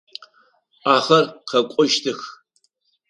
Ахэр къэкӏощтых.